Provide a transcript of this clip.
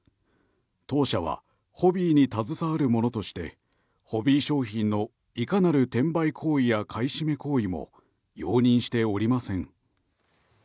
当社はホビーに携わる者としてホビー商品のいかなる転売行為や買い占め行為も容認しておりません。